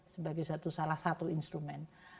sebagai salah satu instrumen